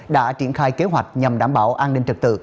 đã triển khai kế hoạch nhằm đảm bảo an ninh trật tự